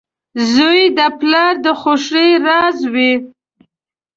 • زوی د پلار د خوښۍ راز وي.